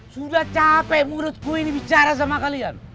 sudah capek murutku ini bicara sama kalian